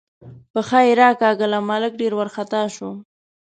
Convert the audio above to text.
پښه یې راکاږله، ملک ډېر وارخطا شو.